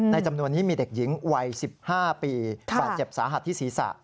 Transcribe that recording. จำนวนนี้มีเด็กหญิงวัย๑๕ปีบาดเจ็บสาหัสที่ศีรษะ